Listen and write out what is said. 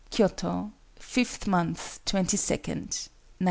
_Kyoto, Fifth Month twenty second, 1905.